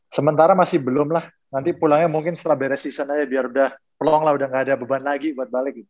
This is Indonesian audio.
sementara masih belum lah nanti pulangnya mungkin setelah beres season aja biar udah plong lah udah gak ada beban lagi buat balik